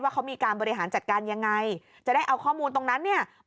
ว่าเขามีการบริหารจัดการยังไง